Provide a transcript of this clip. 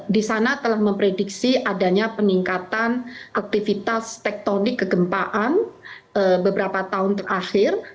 di sana telah memprediksi adanya peningkatan aktivitas tektonik kegempaan beberapa tahun terakhir